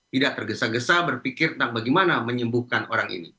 tidak tergesa gesa berpikir tentang bagaimana menyembuhkan orang ini